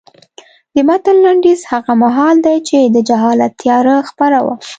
د متن لنډیز هغه مهال دی چې د جهالت تیاره خپره وه.